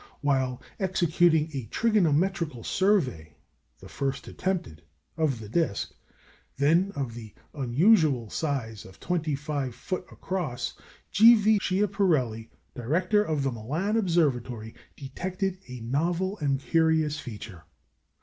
While executing a trigonometrical survey (the first attempted) of the disc, then of the unusual size of 25" across, G. V. Schiaparelli, director of the Milan Observatory, detected a novel and curious feature.